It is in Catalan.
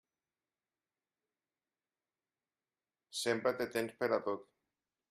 Sempre té temps per a tot.